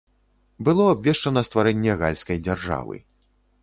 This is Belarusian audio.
Было абвешчана стварэнне гальскай дзяржавы.